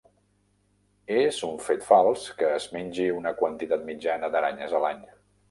És un fet fals que es mengi una quantitat mitjana d'aranyes a l'any.